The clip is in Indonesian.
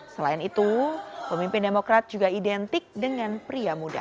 selain itu pemimpin demokrat juga identik dengan pria muda